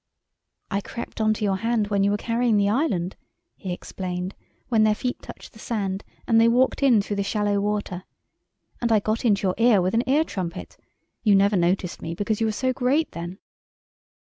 "I crept on to your hand when you were carrying the island," he explained, when their feet touched the sand and they walked in through the shallow water, "and I got into your ear with an ear trumpet. You never noticed me because you were so great then."